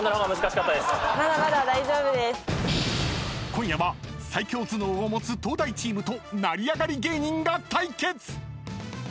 ［今夜は最強頭脳を持つ東大チームと成り上がり芸人が対決！］